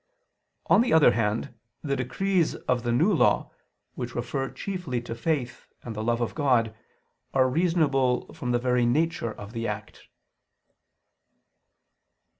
On the other hand, the decrees of the New Law, which refer chiefly to faith and the love of God, are reasonable from the very nature of the act.